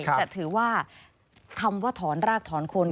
จะถือว่าคำว่าถอนรากถอนคน